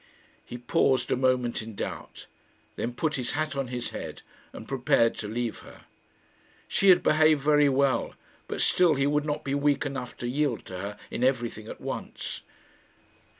He paused a moment in doubt, then put his hat on his head and prepared to leave her. She had behaved very well, but still he would not be weak enough to yield to her in everything at once.